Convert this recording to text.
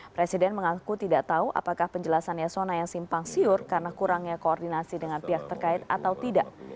presiden mengaku tidak tahu apakah penjelasan yasona yang simpang siur karena kurangnya koordinasi dengan pihak terkait atau tidak